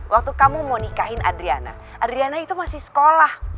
waktu kamu mau nikahin adriana adriana itu masih sekolah